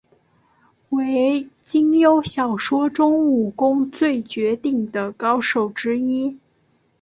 为金庸小说中武功最绝顶的高手之一。